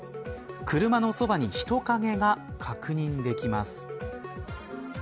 車のそばに人影が確認できます。